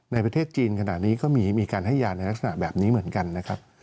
ในประเทศจีนขณะนี้ก็มีการให้ยาในลักษณะแบบนี้เหมือนกันนะครับ